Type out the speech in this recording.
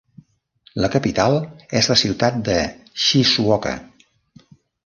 La capital és la ciutat de Shizuoka.